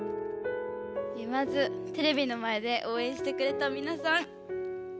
まずテレビの前でおうえんしてくれたみなさん。